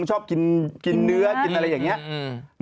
ชอบกินเนื้อกินอะไรอย่างนี้